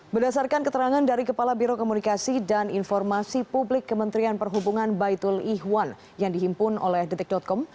berdasarkan keterangan dari kepala biro komunikasi dan informasi publik kementerian perhubungan baitul ihwan yang dihimpun oleh detik com